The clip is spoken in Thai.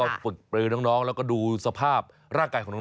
ก็ฝึกปลือน้องแล้วก็ดูสภาพร่างกายของน้อง